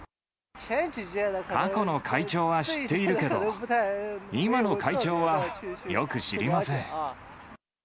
過去の会長は知っているけど、今の会長はよく知りません。